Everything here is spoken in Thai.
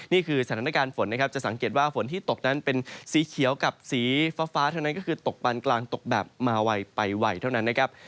นี่คือสถานการณ์ฝนนะครับจะสังเกตว่าฝนที่ตกนั้นเป็นสีเขียวกับสีฟ้าเท่านั้นก็คือตกปานกลางตกแบบมาไวไปไวเท่านั้นนะครับ